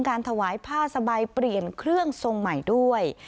ถวายผ้าสบายเปลี่ยนเครื่องทรงใหม่ด้วย